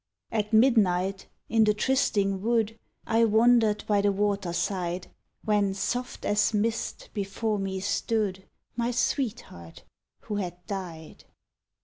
At midnight in the trysting wood I wandered by the waterside, When, soft as mist, before me stood My sweetheart who had died.